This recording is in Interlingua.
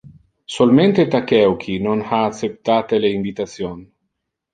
Solmente Takeuchi non ha acceptate le invitation.